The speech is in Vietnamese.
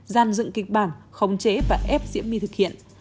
gian dựng kịch bản khống chế và ép diễm my thực hiện